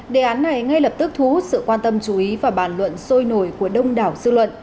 đề án này ngay lập tức thú sự quan tâm chú ý và bàn luận sôi nổi của đông đảo sư luận